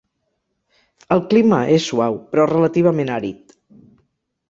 El clima és suau, però relativament àrid.